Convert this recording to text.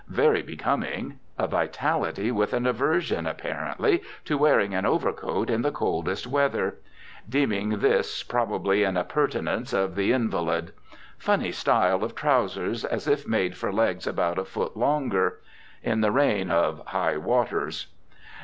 Very becoming. A vitality with an aversion, apparently, to wearing an overcoat in the coldest weather; deeming this probably an appurtenance of the invalid. Funny style of trowsers as if made for legs about a foot longer. In the reign of "high waters"!